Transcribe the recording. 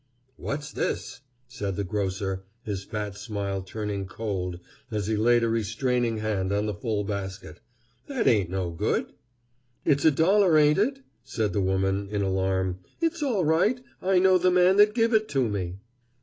"What's this?" said the grocer, his fat smile turning cold as he laid a restraining hand on the full basket. "That ain't no good." "It's a dollar, ain't it?" said the woman, in alarm. "It's all right. I know the man that give it to me."